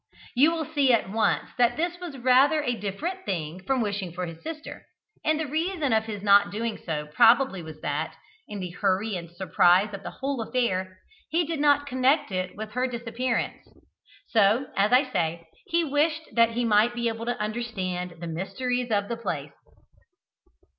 You will see at once that this was rather a different thing from wishing for his sister; and the reason of his not doing so probably was that, in the hurry and surprise of the whole affair, he did not connect it with her disappearance. So, as I say, he wished that he might be able to understand the mysteries of the place.